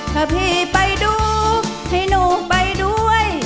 ถ้าพี่ไปดูให้หนูไปด้วย